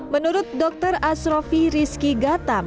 menurut dokter asrofi rizky gatam